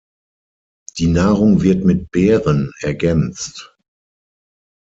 Die Nahrung wird mit Beeren ergänzt.